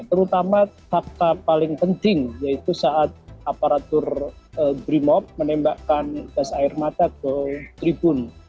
terutama fakta paling penting yaitu saat aparatur brimop menembakkan gas air mata ke tribun